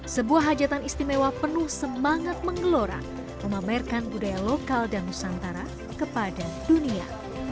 sebuah hajatan istimewa penuh semangat mengelora memamerkan budaya lokal dan nusantara kepada dunia